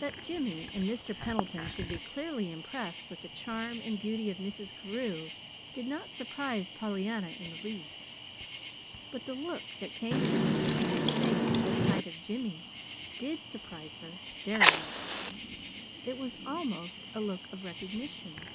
That Jimmy and Mr. Pendleton should be clearly impressed with the charm and beauty of Mrs. Carew did not surprise Pollyanna in the least; but the look that came into Mrs. Carew's face at sight of Jimmy did surprise her very much. It was almost a look of recognition.